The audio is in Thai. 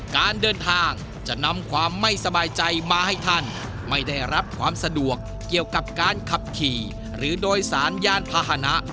การเดินทางจะนำความไม่สบายใจมาให้ท่านไม่ได้รับความสะดวกเกี่ยวกับการขับขี่หรือโดยสารยานพาหนะ